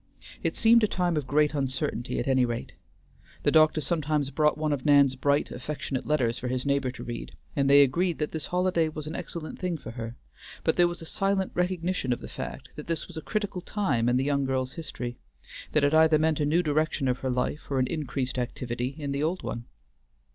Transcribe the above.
It seemed a time of great uncertainty, at any rate. The doctor sometimes brought one of Nan's bright, affectionate letters for his neighbor to read, and they agreed that this holiday was an excellent thing for her, but there was a silent recognition of the fact that this was a critical time in the young girl's history; that it either meant a new direction of her life or an increased activity in the old one.